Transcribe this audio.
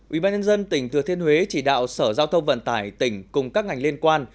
ubnd tỉnh thừa thiên huế chỉ đạo sở giao thông vận tải tỉnh cùng các ngành liên quan